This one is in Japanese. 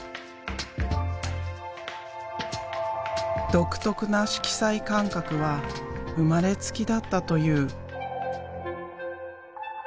独特な色彩感覚は生まれつきだったという。